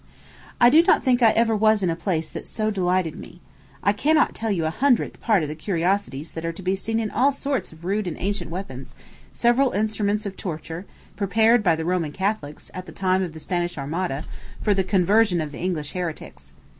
I do not think I ever was in a place that so delighted me. I cannot tell you a hundredth part of the curiosities that are to be seen s all sorts of rude ancient weapons; several instruments of torture prepared by the Roman Catholics, at the time of the Spanish Armada, for the conversion of the English heretics.